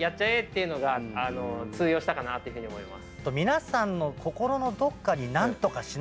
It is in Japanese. いうのが通用したかなっていうふうに思います。